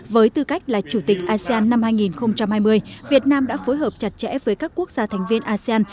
với tư cách là chủ tịch asean năm hai nghìn hai mươi việt nam đã phối hợp chặt chẽ với các quốc gia thành viên asean